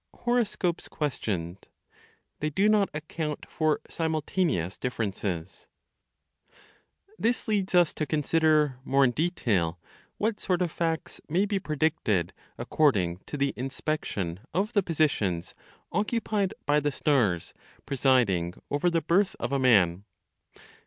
HOROSCOPES QUESTIONED; THEY DO NOT ACCOUNT FOR SIMULTANEOUS DIFFERENCES. This leads us to consider, more in detail, what sort of facts may be predicted according to the inspection of the positions occupied by the stars presiding over the birth of a man.